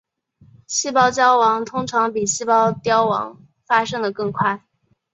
细胞焦亡通常比细胞凋亡发生的更快。